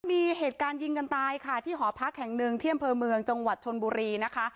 มีเหตุการณ์ยิงกันตายค่ะที่หอพักแห่งหนึ่งที่อำเภอเมืองจังหวัดชนบุรีนะคะ